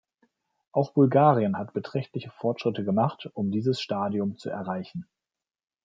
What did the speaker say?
Auch Bulgarien hat beträchtliche Fortschritte gemacht, um dieses Stadium zu erreichen.